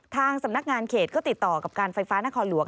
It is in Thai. ทางสำนักงานเขตก็ติดต่อกับการไฟฟ้านครหลวง